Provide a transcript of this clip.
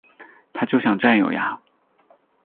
他就想占有呀